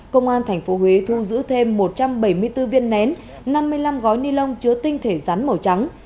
công an thành phố huế thu giữ thêm một trăm bảy mươi bốn viên nén năm mươi năm gói nilon chứa tinh thể rắn màu trắng